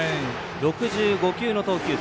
６５球の投球数。